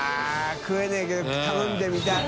食えねぇけど頼んでみたい。